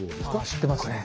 知ってますね。